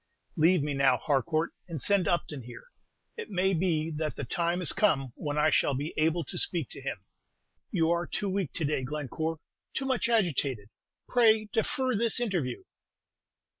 "Leave me now, Harcourt, and send Upton here. It may be that the time is come when I shall be able to speak to him." "You are too weak to day, Glencore, too much agitated. Pray defer this interview."